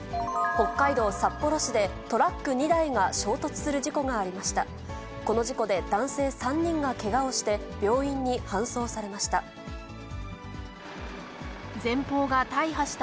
北海道札幌市で、トラック２台が衝突する事故がありました。